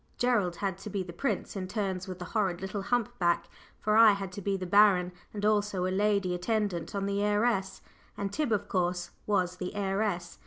Gerald had to be the prince, in turns with the horrid little hump back, for I had to be the baron, and also a lady attendant on the heiress, and Tib, of course, was the heiress.